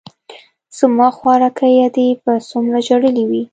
زما خواركۍ ادې به څومره ژړلي وي.